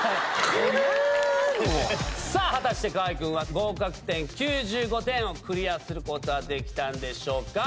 果たして河合君は合格点９５点をクリアすることはできたんでしょうか